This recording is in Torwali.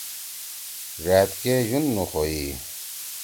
ڙأت کے یُن نُخوئی۔